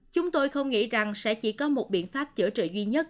chúng tôi không nghĩ rằng sẽ chỉ có một biện pháp chữa trị duy nhất